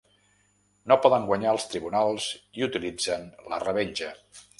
No poden guanyar als tribunals i utilitzen la revenja.